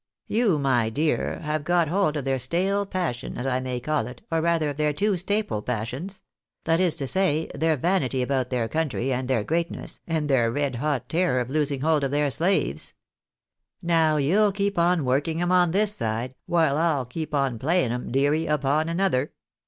You, my dear, have got hold of their staple passion, as I may call it, or rather of their two staple passions — ^that is to say, their vanity about their country and their greatness, and their red hot terror of losing hold of their slaves. Now you'll keep on working 'em on this side, while I'll keep on inlaying 'em, deary, upon another.